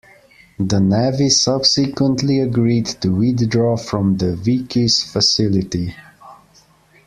The Navy subsequently agreed to withdraw from the Vieques facility.